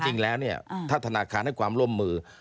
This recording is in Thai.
จริงแล้วเนี่ยถ้าธนาคารให้ความร่วมมือ